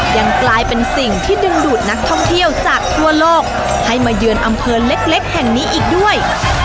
ยังกลายเป็นสิ่งที่ดึงดูดนักท่องเที่ยวจากทั่วโลกให้มาเยือนอำเภอเล็กแห่งนี้อีกด้วย